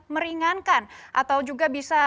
meringankan atau juga bisa